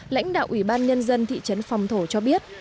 lãnh đạo ủy ban nhân dân thị trấn phòng thổ cho biết